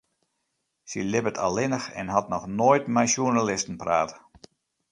Sy libbet allinnich en hat noch noait mei sjoernalisten praat.